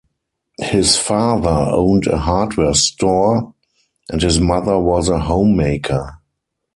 His father owned a hardware store and his mother was a homemaker.